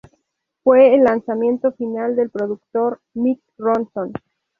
Fue el lanzamiento final del productor Mick Ronson.